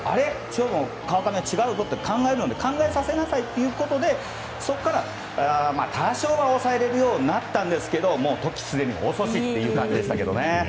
今日の川上は違うぞと考えるんで、考えさせなさいということで、そこから多少は抑えられるようになったんですけど時すでに遅しという感じでしたけどね。